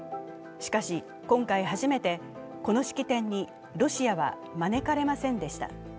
しかし今回初めて、この式典にロシアは招かれませんでした。